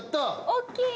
おっきい。